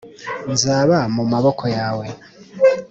nzaba mu maboko yawe